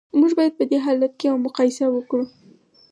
موږ باید په دې حالت کې یوه مقایسه وکړو